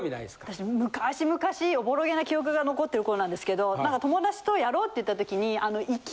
私昔昔おぼろげな記憶が残ってる頃なんですけど何か友達とやろうって言った時に。